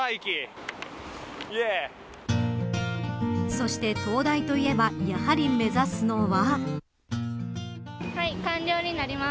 そして、東大といえばやはり目指すのは。